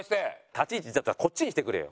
立ち位置だったらこっちにしてくれよ。